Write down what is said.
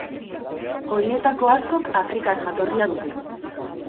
Horietako askok afrikar jatorria dute.